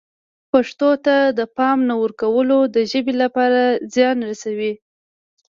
پښتو ته د پام نه ورکول د ژبې لپاره زیان رسوي.